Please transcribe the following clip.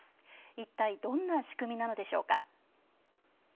一体どんな仕組みなのでしょうか。